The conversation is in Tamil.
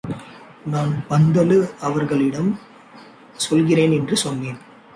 நான் பந்துலு அவர்களிடம் சொல்கிறேன் என்று சொன்னேன்.